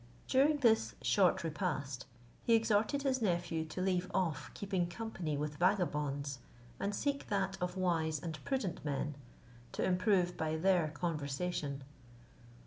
During this short repast, he exhorted his nephew to leave off keeping company with vagabonds, and seek that of wise and prudent men, to improve by their conversation.